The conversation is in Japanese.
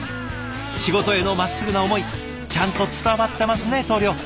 仕事へのまっすぐな思いちゃんと伝わってますね棟梁！